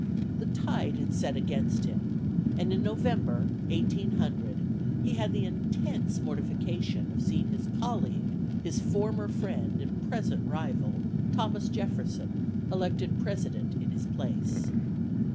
The tide had set against him, and in November, 1800, he had the intense mortification of seeing his colleague, his former friend and present rival, Thomas Jefferson, elected President in his place.